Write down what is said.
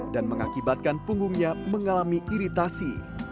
dan mengakibatkan punggungnya mengalami iritasi